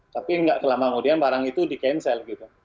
tapi tidak terlalu lama kemudian barang itu di cancel